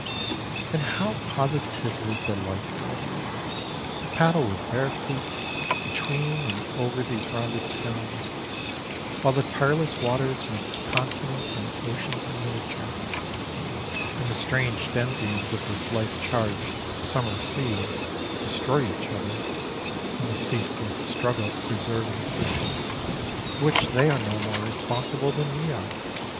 And how positively delightful it is to paddle with bare feet between and over these rounded stones, while the tireless waters make continents and oceans in miniature, and the strange denizens of this life charged summer sea destroy each other, in the ceaseless struggle to preserve an existence for which they are no more responsible than we are.